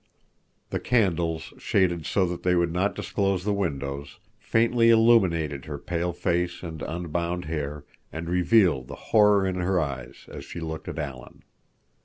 The candles, shaded so they would not disclose the windows, faintly illumined her pale face and unbound hair and revealed the horror in her eyes as she looked at Alan.